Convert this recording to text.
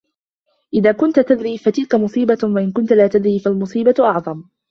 إذا كنت تدري فتلك مصيبة وإن كنت لا تدري فالمصيبة أعظم